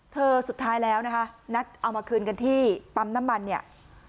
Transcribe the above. สุดท้ายแล้วนะคะนัดเอามาคืนกันที่ปั๊มน้ำมันเนี่ย